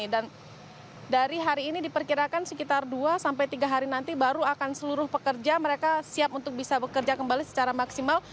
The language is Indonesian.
dan dari hari ini diperkirakan sekitar dua sampai tiga hari nanti baru akan seluruh pekerja mereka siap untuk bisa bekerja kembali secara maksimal